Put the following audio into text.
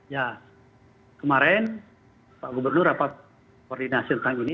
ya kemarin pak gubernur rapat koordinasi tentang ini